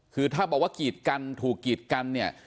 คือถ้าบอกว่ากีดกันถูกกีดกันเนี่ย